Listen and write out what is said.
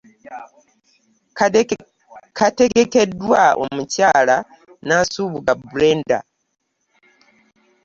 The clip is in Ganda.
Kategekeddwa omukyala Nansubuga Brenda.